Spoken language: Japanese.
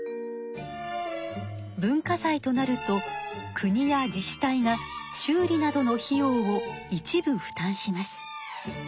文化財となると国や自治体が修理などの費用を一部負担します。